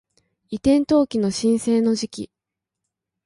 移転登記の申請の時期